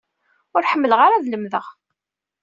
Ur ḥemmleɣ ara ad lemdeɣ.